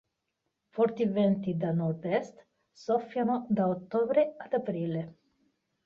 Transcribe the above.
Forti venti da nordest soffiano da ottobre ad aprile.